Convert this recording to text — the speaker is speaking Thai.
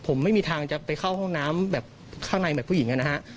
ผมไม่มีทางจะไปเข้าห้องน้ำแบบข้างในแบบผู้หญิงนะฮะ